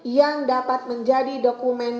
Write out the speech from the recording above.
yang dapat menjadi dokumen